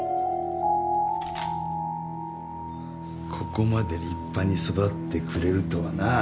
ここまで立派に育ってくれるとはなあ。